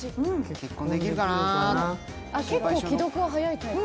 結構、既読が早いタイプ。